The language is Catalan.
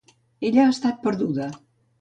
Ella ha estat perduda.